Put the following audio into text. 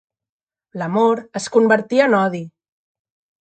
L'amor es convertí en odi.